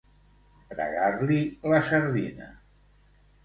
Fregar-li la sardina.